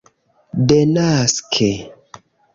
denaske